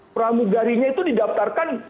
pramugarinya itu didaftarkan